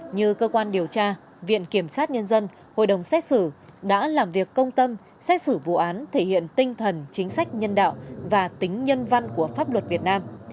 như cơ quan điều tra viện kiểm sát nhân dân hội đồng xét xử đã làm việc công tâm xét xử vụ án thể hiện tinh thần chính sách nhân đạo và tính nhân văn của pháp luật việt nam